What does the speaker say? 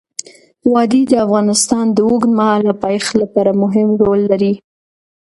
وادي د افغانستان د اوږدمهاله پایښت لپاره مهم رول لري.